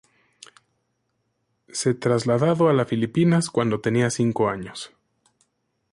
Se trasladado a la Filipinas cuando tenía cinco años.